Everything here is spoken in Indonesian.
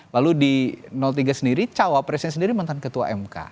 lalu di tiga sendiri cawapresnya sendiri mantan ketua mk